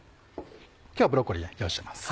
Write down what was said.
今日はブロッコリーを用意してます。